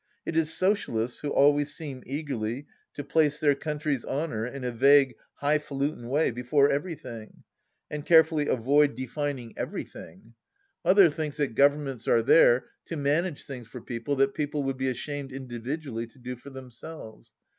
It is Socialists who always seem eagerly to place their coimtry's honour, in a vague high falutin' way, before Everything ! And carefully avoid defining Every THE LAST DITCH 101 thing ! Mother thinks that Governments are there to manage things for people that people would be ashamed individually to do for themselves.